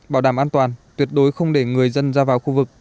bảo đảm an toàn tuyệt đối không để người dân ra vào khu vực